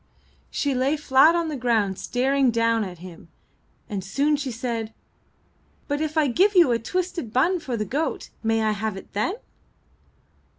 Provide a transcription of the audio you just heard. She lay flat on the ground staring down at him, and soon she said: ''But if I give you a twisted bun for the goat, may I have it then?"